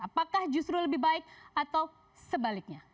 apakah justru lebih baik atau sebaliknya